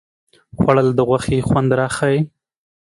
خوړل د غوښې خوند راښيي